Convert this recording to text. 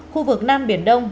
khu vực nam biển đông